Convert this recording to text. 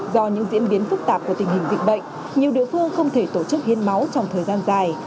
do những diễn biến phức tạp của tình hình dịch bệnh nhiều địa phương không thể tổ chức hiến máu trong thời gian dài